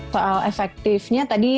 soal efektifnya tadi